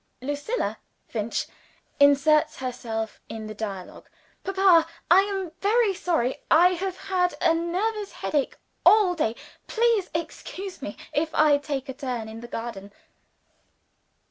Lucilla Finch inserts herself in the dialogue: "Papa, I am very sorry; I have had a nervous headache all day; please excuse me if I take a turn in the garden."